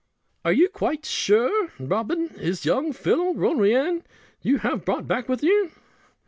"Are you quite sure, Robin, it is young Phil Ronayne you have brought back with you?"